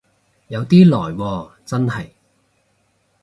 有啲耐喎真係